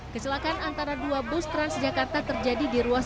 kecelakaan antara dua bus transjakarta terjadi di ruas